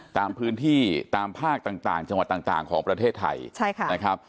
ตามพื้นที่ตามภาคต่างจังหวัดต่างของประเทศไทยนะครับ